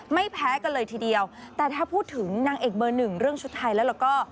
ไม่แพ้กันเลยทีเดียวแต่ถ้าพูดถึงนางเอกเบอร์หนึ่งเรื่องชุดไทยแล้วก็